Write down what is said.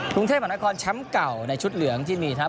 กรุงเทพมหานครแชมป์เก่าในชุดเหลืองที่มีครับ